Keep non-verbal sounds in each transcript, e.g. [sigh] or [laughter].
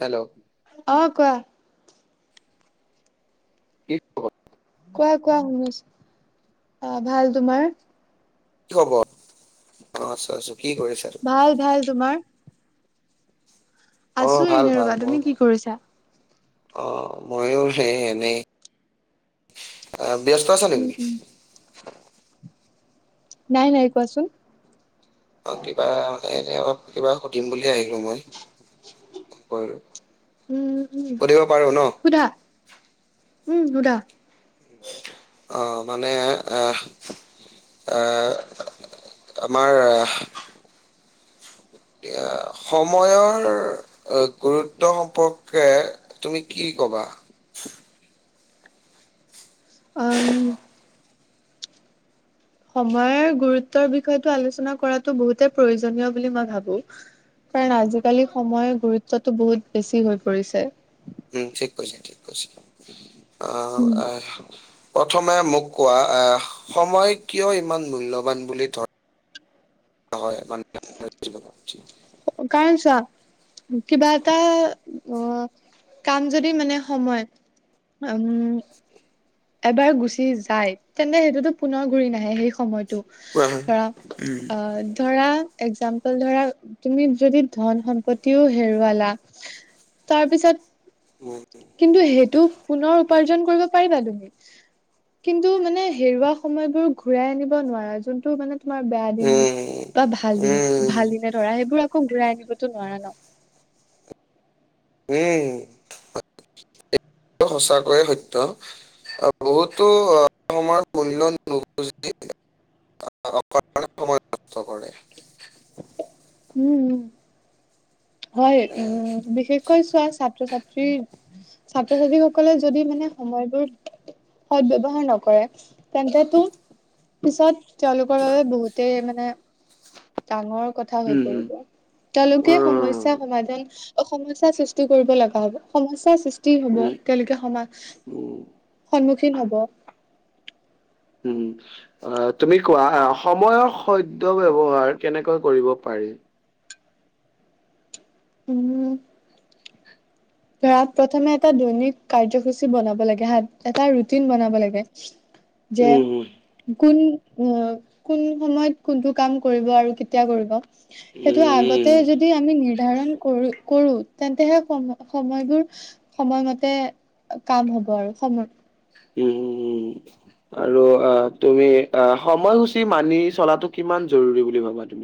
Hello? অ', কোৱা। কি খবৰ? কোৱা-কোৱা শুনি আছোঁ, অ', ভাল, তোমাৰ? কি খবৰ, অ', আছো-আছো, কি কৰিছা? ভাল-ভাল, তোমাৰ? অ', আছো এনে ভাল-ভাল ৰবা মোৰো তুমি কি ভাল, কৰিছা অ', ময়ো সেই এনে আহ, ব্যস্ত আছা উম নেকি? উম নাই-নাই, কোৱাচোন। অ', কিবা, এনে অলপ কিবা সুধিম বুলি আহিলোঁ মই। উম, উম, সুধিব পাৰো ন? সুধা, উম, সুধা। অ', মানে আহ অ‌হ, আমাৰ এয়া সময়ৰ অ', গুৰুত্ব সম্পৰ্কে, তুমি কি কবা? অ', উম সময় গুৰুত্বৰ বিষয়টো আলোচনা কৰাতো বহুতেই প্ৰয়োজনীয় বুলি মই ভাবো। কাৰণ আজিকালি সময়ে গুৰুত্বতটো বহুত বেছি হৈ পৰিছে। উম ঠিক, কৈছা ঠিক কৈছা। অ উম আ প্ৰথমে মোক কোৱা আহ সময় কিয় ইমান মূল্যবান বুলি ধৰ হয় মানে [unintelligible] কাৰন চোৱা কিবা এটা অ কাম যদি মানে সময়ত উম এবাৰ গুচি যায়, তেন্তে সেইটোতো পুনৰ ঘূৰি নাহে সেই সময়তটো। উম, কাৰণ অ ধৰা এক্সজামলো ধৰা, তুমি যদি ধন সম্পত্তিও হেৰুৱালা তাৰপিছত উম। কিন্তু সেইটো পুনৰ উপাৰ্জন কৰিব পাৰিবা তুমি। কিন্তু মানে হেৰুৱা সময়বোৰ ঘূৰাই আনিব নোৱাৰে যোনটো মানে তোমাৰ বেয়া দিন উম, বা ভাল দিন উম, ভাল দিনে ধৰা সেইবোৰ আকৌ ঘূৰাই আনিবতো নোৱাৰা ন। এই [unintelligible] সঁচাকৈয়ে সত্য। বহুতো সময়ৰ মূল্য নুবুজি [unintelligible] [unintelligible] [unintelligible] উম উম। হয় উম বিশেষকৈ চোৱা ছাত্ৰ-ছাত্ৰী ছাত্ৰ-ছাত্ৰীসকলে যদি মানে সময়বোৰ সদ ব্যৱহাৰ নকৰে তেন্তেটো পিছত তেওঁলোকৰ বাবে বহুতেই মানে ডাঙৰ কথা হৈ উম, হম, উম, পৰিব। তেওঁলোকে সমস্যা সমাধান অ সমস্যাৰ সৃষ্টি কৰিব লগা হ'ব, সমস্যাৰ সৃষ্টি হ'ব, উম, তেওঁলোকে সমান উম, সন্মুখীন হ'ব। উম অ অ তুমি কোৱা সময়ৰ সদ্য ব্যৱহাৰ কেনেকৈ কৰিব পাৰি? উম। ধৰা প্ৰথমে এটা দৈনিক কাৰ্যসূচী বনাব লাগে হাত এটা ৰুটিন বনাব লাগে। [inaudible] যে কোন অ কোন সময়ত কোনটো কাম কৰিব আৰু কেতিয়া কৰিব সেইটো উম, উম, আগতে যদি আমি নিৰ্ধাৰণ কৰো কৰো তেন্তেহে সম সময়বোৰ সময়মতে কাম হ'ব আৰু সময় উম-উম-উম। আৰু অ তুমি অ সময়সূচী মানি চলাটো কিমান জৰুৰী বুলি ভাবা? [inaudible]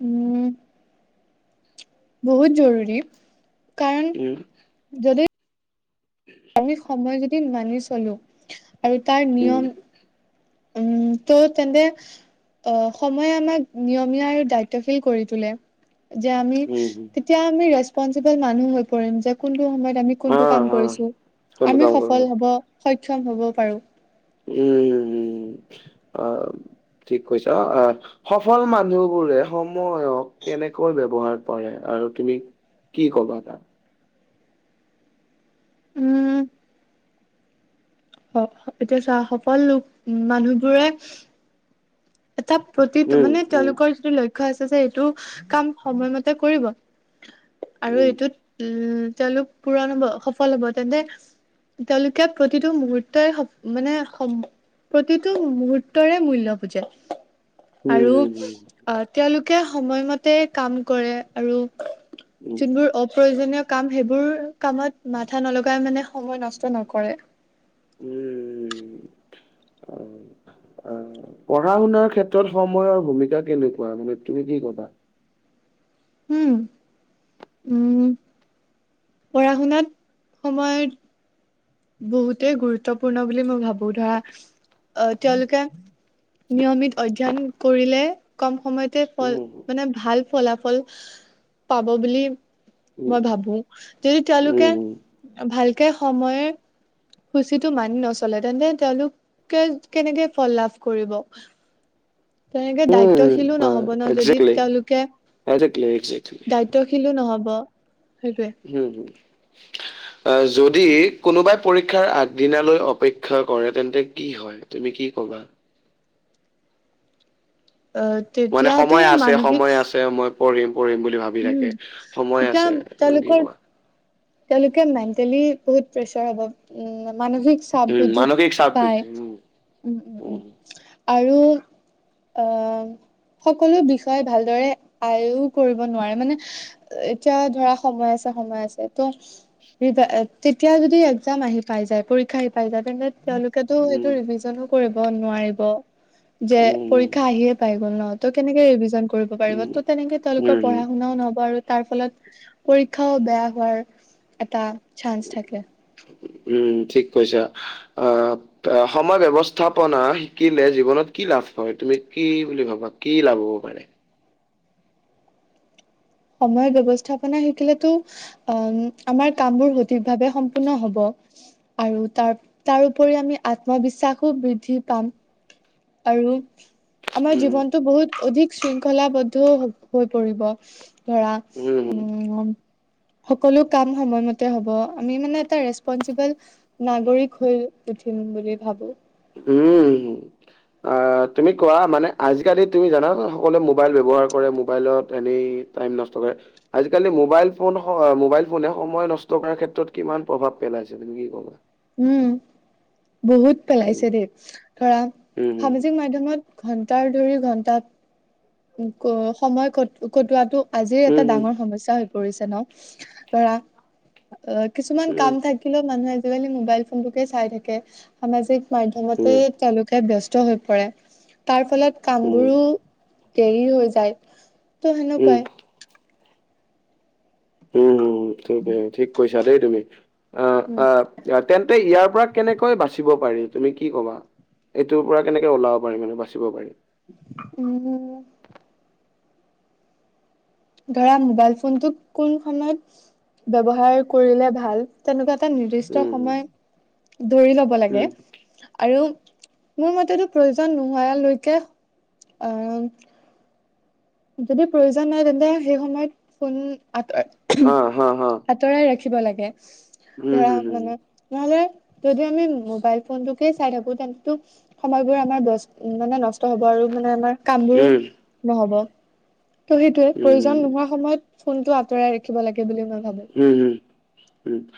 উম বহুত জৰুৰী কাৰণ উম, যদি [inaudible] আমি সময় যদি মানি চলো আৰু তাৰ উম, নিয়ম উম তো তেন্তে অ', সময়ে আমাক, নিয়মীয়া আৰু দায়িত্বশীল কৰি তোলে। যে আমি, উম, উম তেতিয়া আমি ৰেচপনচিবল মানুহ হৈ পৰিম, যে কোনটো সময়ত আমি কোনটো কাম কৰিছোঁ, আমি সফল কাম-কৰিব। হ'ব, সক্ষম হ'ব পাৰোঁ। উম। অ', ঠিক কৈছা, অ', অ', সফল মানুহবোৰে সময়ক কেনেকৈ ব্যৱহাৰ কৰে, আৰু তুমি কি ক'বা তাক? উম। অ', এতিয়া চা, সফল লোক মানুহবোৰে এটা প্ৰতিটো উম, মানে, উম, তেওঁলোকৰ যিটো লক্ষ ক্ষ্য আছে যে, এইটো কাম সময়মতে কৰিব, আৰু উম, উম, এইটোত উম, তেওঁলোক পূৰণ হ'ব, সফল হ'ব, তেন্তে তেওঁলোকে, প্ৰতিটো মুহুৰ্তয় সফ মানে সম প্ৰতিটো মুহূৰ্তৰে মূল্য বুজে। হুম, আৰু হুম, অ', তেওঁলোকে সময়মতে কাম কৰে, আৰু উম, যোনবোৰ অপ্ৰয়োজনীয় কাম, সেইবোৰ কামত মাথা নলগায় মানে, সময় নষ্ট নকৰে। উম, উম, অ', অ' [unintelligible] পঢ়া-শুনাৰ ক্ষেত্ৰত, সময়ৰ ভূমিকা কেনেকুৱা, মানে তুমি কি ক'বা? উম, উম, পঢ়া-শুনাত, সময়ত বহুতেই গুৰুত্বপূৰ্ণ বুলি মই ভাবোঁ, ধৰা অ', তেওঁলোকে নিয়মিত অধ্যয়ন কৰিলে, কম সময়তে উম, ফল উম, মানে ভাল ফলাফল, পাব বুলি মই ভাবোঁ। যদি, উম, তেওঁলোকে উম, ভালকে সময়ৰ সূচীটো মানি নচলে। তেন্তে, তেওঁলোকে কেনেকে ফল লাভ কৰিব। তেনেকে উম, দায়িত্বশীলো আ নহ'ব ন, যদি একজেক্টলি, তেওঁলোকে একজেক্টলি, একজেক্টলি। দায়িত -ত্বশিলো নহ'ব সেইটোৱেই। হম, হম। অ', যদি, কোনোবাই পৰীক্ষাৰ আগদিনালৈ অপেক্ষা কৰে, তেন্তে কি হয়? তুমি কি ক'বা? অ'। মানে সময় আছে, সময় আছে, মই পঢ়িম, পঢ়িম বুলি ভাব উম বিলাকে, সময় তেতিয়া আছে, তুমি কি তেওঁলোকৰ ক'বা? তেওঁলোকে মেণ্টেলি বহুত প্ৰেচাৰ হ'ব। উম, মানসিক চাপ উম বৃদ্ধি মানসিক চাপ পায়, বৃদ্ধি উম উম, উম, আৰু অ', সকলো বিষয় ভালদৰে আয়ো কৰিব নোৱাৰে, মানে এতিয়া ধৰা, সময় আছে, সময় আছে। ত' [unintelligible] তেতিয়া যদি, এক্মজাম আহি পায় যায়, পৰীক্ষা আহি পায় যায়, তেতিয়া তেওঁলোকৰ তেতিয়াতো উম ৰিভিজনো কৰিব নোৱাৰিব, যে উম উম পৰীক্ষা আহিয়ে পাই গ'ল ন। ত' কেনেকে ৰিভিজন কৰিব পাৰিব, উম। ত' তেনেকে তেওঁলোকৰ উম উম পঢ়া-শুনাও নহ'ব, আৰু তাৰফলত পৰীক্ষাও বেয়া হোৱাৰ এটা চান্স থাকে। উম, ঠিক কৈছা, আ অ', সময় ব্যৱস্থাপনা শিকিলে জীৱনত কি লাভ হয়, তুমি কি বুলি ভাবা, কি লাভ হ'ব পাৰে? সময় ব্যৱস্থাপনা শিকিলেতো অ', আমাৰ কামবোৰ, সঠিক ভাৱে সম্পূৰ্ণ হ'ব। আৰু তাৰ, তাৰ ওপৰি আমি আত্মবিশ্বাসো বৃদ্ধি পাম। আৰু আমাৰ উম জীৱনটো বহুত অধিক- শৃংখলাবদ্ধ হৈ পৰিব, ধৰা উম উমঁ'- সকলো কাম সময়মতে হ'ব, আমি মানে এটা ৰেচপনচিবল- নাগৰিক হৈ উঠিম বুলি ভাবোঁ। উমঁ' আহ'- তুমি কোৱা মানে আজিকালি তুমি জানা যে সকলোৱে মোবাইল ব্যৱহাৰ কৰে মোবাইলত এনেই টাইম নষ্ট কৰে। আজিকালি মোবাইল ফোন মোবাইল ফোনে সময় নষ্ট কৰাৰ ক্ষেত্ৰত কিমান প্ৰভাৱ পেলাইছিল? তুমি কি কবা? উমঁ' বহুত উম, পেলাইছে দেই ধৰা উম, সামাজিক মাধ্যমত- ঘন্টাৰ ধৰি ঘন্টা- সময় ক-কটোৱাটো আজিৰ এটা উম, উম, ডাঙৰ সমস্যা হৈ পৰিছে ন' ধৰা অহ' কিছুমান উম, কাম থা কিলে মানুহে আজিকালি মোবাইল ফোনটোকে চাই থাকে, সামাজিক মাধ্যমতে উম, তেওঁলোকে- ব্যস্ত হৈ পৰে। তাৰ ফলত উম, কামবোৰো- দেৰিও হৈ যায় তো' উম, সেনেকুৱাই। হুম হুম হুম, ঠিক কৈছা দেই তুমি, অহ' উম আহ'- তেন্তে ইয়াৰ পৰা কেনেকৈ বাচিব পাৰি তুমি কি কবা? এইটোৰ পৰা কেনেকে ওলাব পাৰি মানে বাচিব পাৰিম? উমঁ'- ধৰা মোবাইল ফোনটোক কোনখনত ব্যৱহাৰ কৰিলে ভাল- তেনেকুৱা এটা নিৰ্দিষ্ট উম, উম, সময় ধৰি ল'ব লাগে। উম। আৰু মোৰ মতেতো প্ৰয়োজন নোহোৱালৈকে আহ'- যদি প্ৰয়োজন নাই তেন্তে সেই সময়ত ফোন- অ, হা, হা, আঁতৰাই ৰাখিব লাগে, উম, ধৰা হম, হম, মানে- নহ'লে যদি আমি মোবাইল ফোনটোকে চাই থাকো তেন্তটো- সময়বোৰ আমাৰ মানে নষ্ট হ'ব আৰু মানে আমাৰ কামবোৰো উম। নহ'ব। তো' সেইটোয়ে, উম, প্ৰয়োজন নোহোৱা সময়ত ফোনটো আঁতৰাই ৰাখিব লাগে বুলি মই ভাবোঁ। উমঁ' হুম, উমঁ'।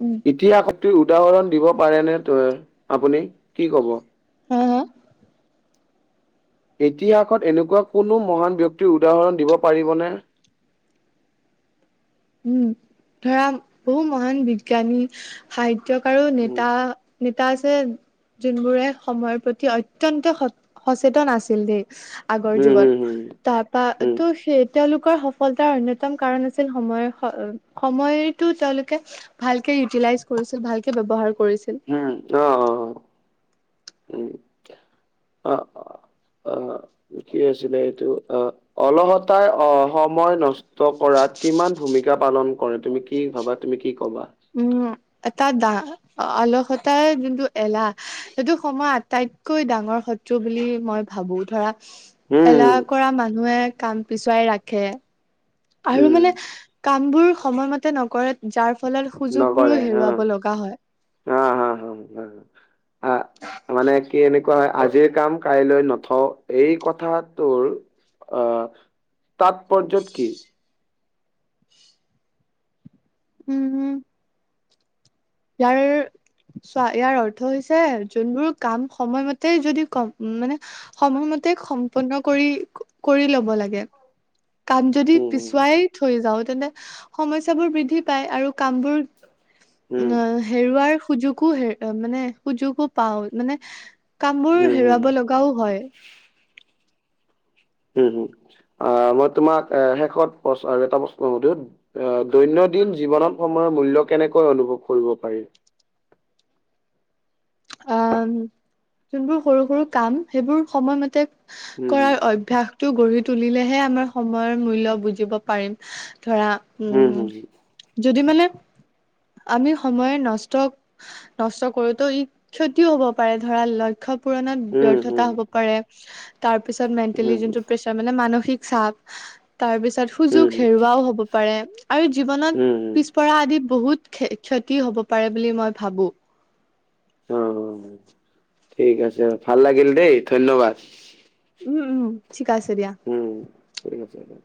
উমঁ'। ইতিহাসতো উদাহৰণ দিব পাৰে নে আপুনি কি ক'ব? হা হা? ইতিহাসত এনেকুৱা কোনো মহান ব্যক্তিৰ উদাহৰণ দিব পাৰিব নে? উমঁ' ধৰা বহু মহান বিজ্ঞানী সাহিত্যক আৰু উম, নেতা- নেতা আছে- যোনবোৰে সময়ৰ প্ৰতি অত্যন্ত স-সচেতন আছিল দেই- আগৰ হুম, হুম, যুগত। হুম, তাৰপা হুম, তোৰ সেই তেওঁলোকৰ সফলতাৰ অন্যতম কাৰণ আছিল সময়ৰ- সময়টো তেওঁলোকে ভালকে ইউটিলাইজ কৰিছিল ভালকে ব্যৱহাৰ কৰিছিল। উমঁ' অহ'-অহ'-অহ' উমঁ' অঁ'। অঁ' কি আছিলে এইটো অহ' অলহত তাই সময় নষ্ট কৰাত কিমান ভূমিকা- পালন কৰে তুমি কি ভাবা তুমি কি কবা? উমঁ' এটা ডা। অলসতাৰ যোনটো এলাহ- সেইটো সময়ৰ আটাইতকৈ ডাঙৰ শত্ৰু বুলি মই ভাবোঁ, ধৰা- হুম, এলাহ কৰা মানুহে কাম পিছুৱাই ৰাখে। আৰু হুম, হুম, মানে কামবোৰ সময়মতে নকৰে। যাৰ ফলত সুযোগবোৰো হেৰুৱাব লগা হয়। অ' হা হা আ মানে কি এনে কয় আজিৰ কাম কাইলৈ নথওঁ, এই কথাটোৰ আহ তাৎপৰ্য্য কি? উম' উম' ইয়াৰ চোৱা ইয়াৰ অৰ্থ হৈছে যোনবোৰ কাম সময়মতে যদি কম উম' মানে সময়মতে সম্পন্ন কৰি, কৰি ল'ব লাগে। কাম যদি উম পিছুৱাই থৈ যাওঁ, তেন্তে সমস্যাবোৰ বৃদ্ধি পায় আৰু কামবোৰ [inaudible] অ হেৰুৱাৰ সুযোগো হে মানে সুযোগো পাওঁ মানে কামবোৰ উম হম হেৰুৱাব লগাও হয়। উম' উম' অ' মই তোমাক শেষত প্ৰ আৰু এটা প্ৰশ্ন সুধো? অ' দৈনন্দিন জীৱনত সময়ৰ মূল্য কেনেকৈ অনুভৱ কৰিব পাৰি? অ' যোনবোৰ সৰু-সৰু কাম সেইবোৰ সময়মতে উম কৰাৰ অভ্যাস টো গঢ়ি তুলিলেহে আমাৰ সময়ৰ মূল্য বুজিব পাৰিম। ধৰা হম উম' হম যদি মানে আমি সময় নষ্ট নষ্ট কৰোতো, ই ক্ষতিও হ'ব পাৰে, ধৰা [unintelligible] লক্ষ্য পূৰণত উম ব্যৰ্থতা হম হ'ব পাৰে, তাৰপিছত হম মেণ্টেলিযোনটো পে তাৰমানে মানসিক চাপ তাৰ পিছত সুযোগ হম হম হেৰুৱাও হ'ব পাৰে আৰু জীৱনত হম পিছপৰা আদি বহুত ক্ষ-ক্ষতি হ'ব পাৰে বুলি মই ভাবোঁ। অ' অ' ঠিক আছে, ভাল লাগিল দেই ধন্যবাদ। উম' উম' ঠিক আছে দিয়া। উম'‌ ঠিক আছে দে।